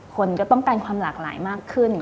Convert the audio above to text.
คนก็ต้องการความหลากหลายมากขึ้น